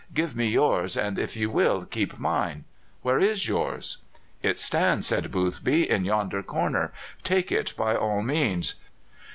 Give me yours, and, if you will, keep mine. Where is yours?" "It stands," said Boothby, "in yonder corner. Take it by all means."